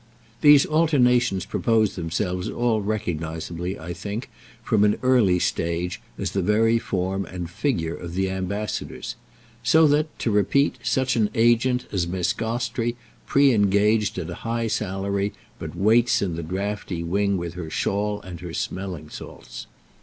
These alternations propose themselves all recogniseably, I think, from an early stage, as the very form and figure of "The Ambassadors"; so that, to repeat, such an agent as Miss Gostrey pre engaged at a high salary, but waits in the draughty wing with her shawl and her smelling salts.